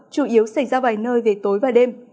chủ yếu xảy ra vài nơi về tối và đêm